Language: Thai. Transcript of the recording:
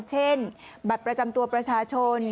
เช่นบัตรประจำตัวประชาชน